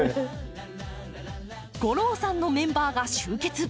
吾郎さんのメンバーが集結。